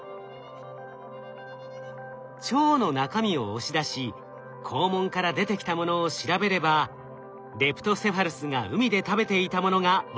腸の中身を押し出し肛門から出てきたものを調べればレプトセファルスが海で食べていたものが分かるはずです。